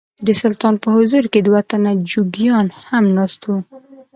د سلطان په حضور کې دوه تنه جوګیان هم ناست وو.